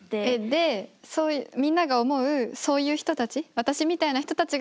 でそういうみんなが思うそういう人たち私みたいな人たちが動いた結果